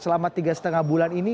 selama tiga lima bulan ini